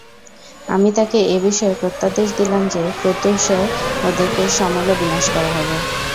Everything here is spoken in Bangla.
আমি তাকে এ বিষয়ে প্রত্যাদেশ দিলাম যে, প্রত্যুষে ওদেরকে সমূলে বিনাশ করা হবে।